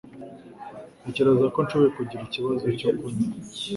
Ntekereza ko nshobora kugira ikibazo cyo kunywa